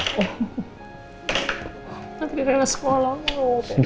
nanti rena sekolah loh